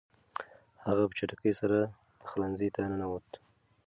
هغه په چټکۍ سره پخلنځي ته ننووت.